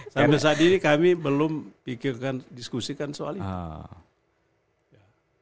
sampai saat ini kami belum pikirkan diskusikan soalnya